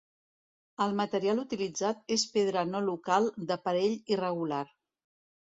El material utilitzat és pedra no local d'aparell irregular.